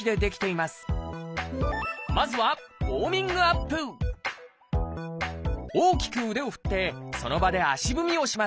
まずは大きく腕を振ってその場で足踏みをします